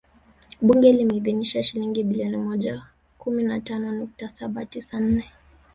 Bunge limeidhinisha Shilingi bilioni mia moja kumi na tano nukta saba tisa nne